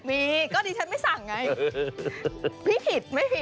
มีก็ดิฉันไม่สั่งไง